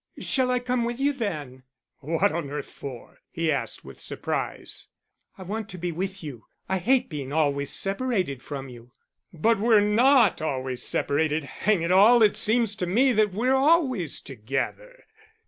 "Shall I come with you then?" "What on earth for?" he asked, with surprise. "I want to be with you; I hate being always separated from you." "But we're not always separated. Hang it all, it seems to me that we're always together."